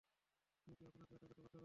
কেউ কি আপনাকে এটা করতে বাধ্য করছে?